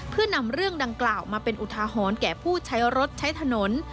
เพื่อนำเรื่องดังกล่าวมาเป็นอุทาหรณ์แก่ผู้ใช้รถใช้ถนน